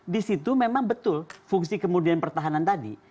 disitu memang betul fungsi kemudian pertahanan tadi